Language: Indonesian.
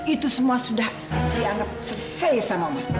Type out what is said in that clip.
itu semua sudah dianggap selesai sama mama